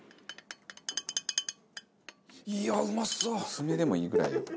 薄めでもいいぐらいよ。